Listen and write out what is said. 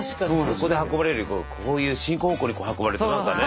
横で運ばれるよりこういう進行方向に運ばれると何かね。